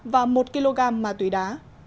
và một kg ma túy đá